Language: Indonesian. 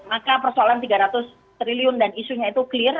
maka persoalan tiga ratus triliun dan isunya itu clear